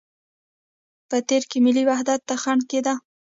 په تېر کې ملي وحدت ته خنده کېده.